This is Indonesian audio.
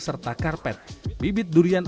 serta karpet bibit durian